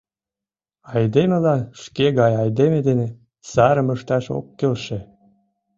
Айдемылан шке гай айдеме дене сарым ышташ ок келше.